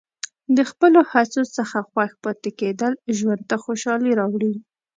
د خپلو هڅو څخه خوښ پاتې کېدل ژوند ته خوشحالي راوړي.